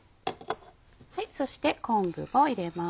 そして昆布を入れます。